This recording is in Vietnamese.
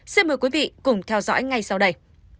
xin mời quý vị cùng theo dõi ngay sau đây